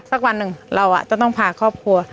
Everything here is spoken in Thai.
วันหนึ่งเราจะต้องพาครอบครัว